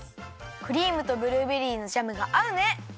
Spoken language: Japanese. クリームとブルーベリーのジャムがあうね！